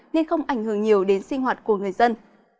nên không ảnh hưởng nhiều đến sinh hoạt của người dân